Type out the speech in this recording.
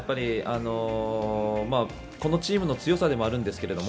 このチームの強さでもあるんですけども